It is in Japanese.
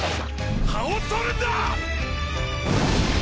葉を取るんだ！